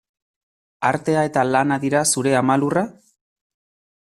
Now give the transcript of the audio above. Artea eta lana dira zure ama lurra?